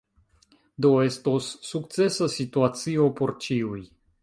Do estos sukcesa situacio por ĉiuj.